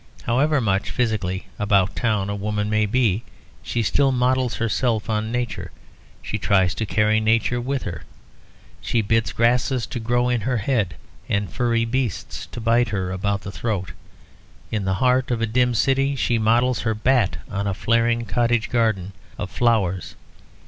However much, physically, 'about town' a woman may be, she still models herself on nature; she tries to carry nature with her; she bids grasses to grow on her head, and furry beasts to bite her about the throat. In the heart of a dim city, she models her hat on a flaring cottage garden of flowers.